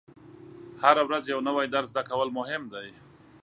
هره ورځ یو نوی درس زده کول مهم دي.